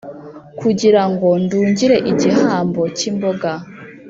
kugira ngo ndugire igihambo cy imboga